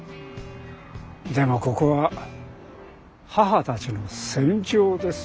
でもここは母たちの戦場です。